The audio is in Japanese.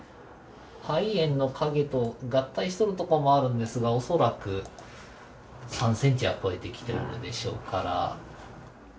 肺炎の影と合体しとるところもあるんですがおそらく３センチは超えてきてるでしょうから。